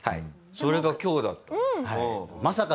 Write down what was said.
それが今日だと。